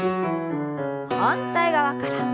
反対側から。